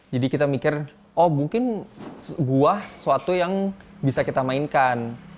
jadi kita mikir oh mungkin buah sesuatu yang bisa kita mainkan